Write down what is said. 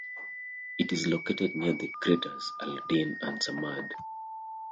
It is located near the craters Aladdin and Samad.